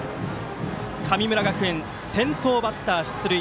神村学園、先頭バッター出塁。